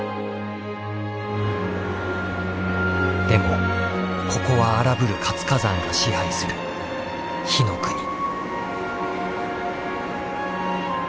でもここは荒ぶる活火山が支配する火の国。